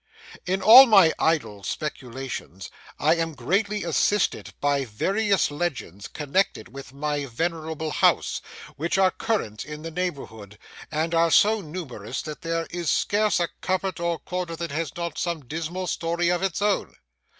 In all my idle speculations I am greatly assisted by various legends connected with my venerable house, which are current in the neighbourhood, and are so numerous that there is scarce a cupboard or corner that has not some dismal story of its own.